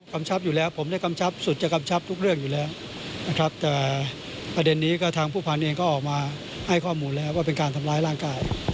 ชับอยู่แล้วผมได้กำชับสุดจะกำชับทุกเรื่องอยู่แล้วนะครับแต่ประเด็นนี้ก็ทางผู้พันธ์เองก็ออกมาให้ข้อมูลแล้วว่าเป็นการทำร้ายร่างกาย